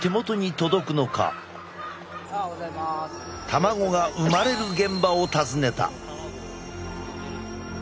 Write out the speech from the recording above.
卵がうまれる現場を訪ねた。